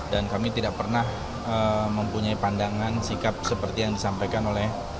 dan kami tidak pernah mempunyai pandangan sikap seperti yang disampaikan oleh